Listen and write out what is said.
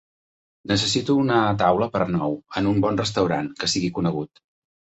Necessito una taula per a nou en un bon restaurant que sigui conegut